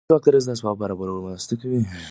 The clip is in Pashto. ایا مسواک د رزق د اسبابو په برابرولو کې مرسته کوي؟